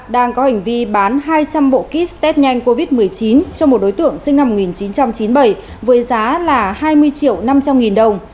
đang có hành vi bán hai trăm linh bộ kit test nhanh covid một mươi chín cho một đối tượng sinh năm một nghìn chín trăm chín mươi bảy với giá là hai mươi triệu năm trăm linh nghìn đồng